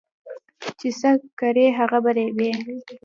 چې څه کرې هغه به ريبې